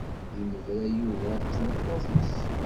Yennebra Yuba d tmeṭṭut-is.